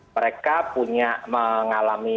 mereka punya mengalami